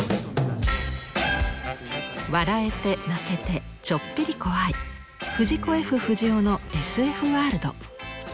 笑えて泣けてちょっぴり怖い藤子・Ｆ・不二雄のＳＦワールド。